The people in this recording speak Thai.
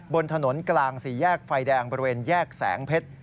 บนถนนกลางสี่แยกไฟแดงบริเวณแยกแสงเพชร